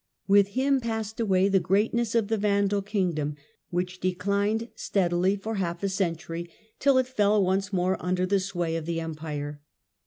With him passed away the greatness of the Vandal kingdom, which declined steadily for half a century, till it fell once more under the sway of the Empire.